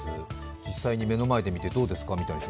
実際に目の前で見てどうですか？